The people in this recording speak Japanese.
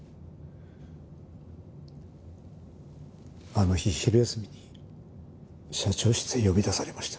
あの日昼休みに社長室へ呼び出されました。